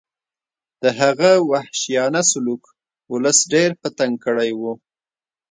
د هغه وحشیانه سلوک ولس ډېر په تنګ کړی و.